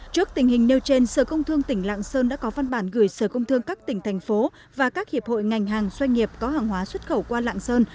trước tình hình nêu trên sở công thương tỉnh lạng sơn đã có văn bản gửi sở công thương các tỉnh thành phố và các hiệp hội ngành hàng doanh nghiệp có hàng hóa xuất khẩu qua lạng sơn